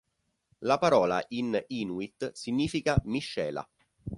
La parola in inuit significa "miscela".